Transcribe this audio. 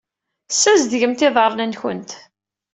Tessazedgemt iḍarren-nwent.